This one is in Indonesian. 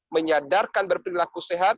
menyadarkan berperilaku sehat